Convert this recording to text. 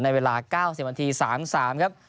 ในเวลา๙๐วันที๓๓ครับ